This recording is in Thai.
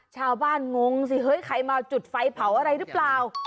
ชาวบ้านงงสิใครมาจุดไฟเผาอะไรรึเปล่า